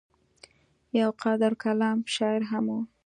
يو قادرالکلام شاعر هم وو